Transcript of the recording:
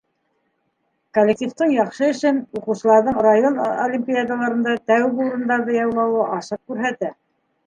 Коллективтың яҡшы эшен уҡыусыларҙың район олимпиадаларында тәүге урындарҙы яулауы асыҡ күрһәтә.